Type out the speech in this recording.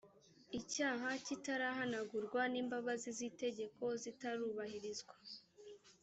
icyaha kitarahanagurwa n’imbabazi z’itegeko zitarubahirizwa